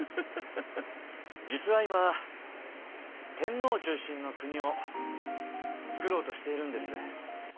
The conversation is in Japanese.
実は今天皇中心の国をつくろうとしているんです。